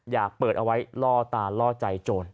อย่าเปิดเอาไว้ล่อตาล่อใจโจร